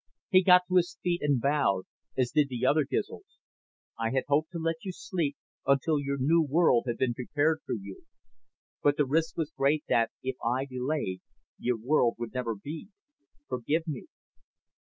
He got to his feet and bowed, as did the other Gizls. "I had hoped to let you sleep until your new world had been prepared for you. But the risk was great that, if I delayed, your world would never be. Forgive me."